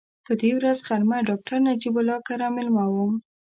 په دې ورځ غرمه ډاکټر نجیب الله کره مېلمه وم.